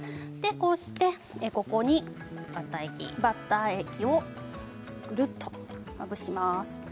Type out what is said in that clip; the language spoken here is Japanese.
こうして、ここにバッター液を、ぐるっとまぶします。